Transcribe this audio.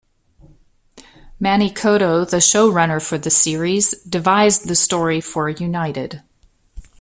Manny Coto, the showrunner for the series, devised the story for "United".